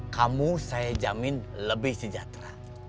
kamu saya jamin lebih sejahtera